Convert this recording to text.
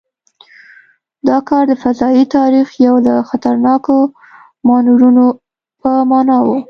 دا کار د فضايي تاریخ یو له خطرناکو مانورونو په معنا و.